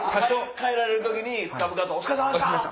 帰られる時に深々と「お疲れさまでした！」。